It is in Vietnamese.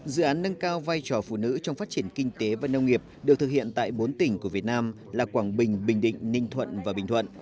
dự án nâng cao vai trò phụ nữ trong phát triển kinh tế và nông nghiệp được thực hiện tại bốn tỉnh của việt nam là quảng bình bình định ninh thuận và bình thuận